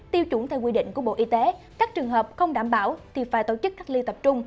tiêu chuẩn theo quy định của bộ y tế các trường hợp không đảm bảo thì phải tổ chức cách ly tập trung